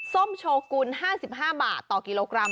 ส้มโชกุล๕๕บาทต่อกิโลกรัม